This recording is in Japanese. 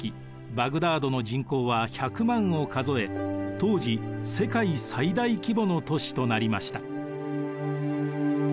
バグダードの人口は１００万を数え当時世界最大規模の都市となりました。